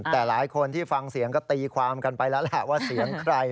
แต่หลายคนที่ฟังเสียงก็ตีความกันไปแล้วแหละว่าเสียงใคร